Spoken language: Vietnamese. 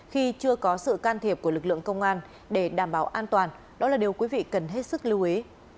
khi chưa có sự can thiệp của lực lượng công an để đảm bảo an toàn đó là điều quý vị cần hết sức lưu ý